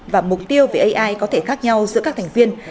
và mục tiêu về ai có thể khác nhau giữa các thành viên